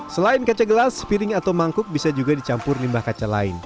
selain kaca gelas piring atau mangkuk bisa juga dicampur limbah kaca lain